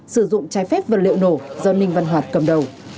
sử dụng trái phép vật liệu nổ do ninh văn hoạt cầm đầu